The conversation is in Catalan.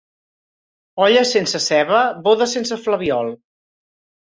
Olla sense ceba, boda sense flabiol.